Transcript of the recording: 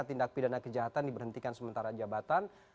tindak pidana kejahatan diberhentikan sementara jabatan